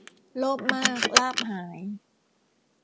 โลภมากลาภหาย